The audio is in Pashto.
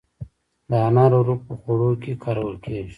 د انارو رب په خوړو کې کارول کیږي.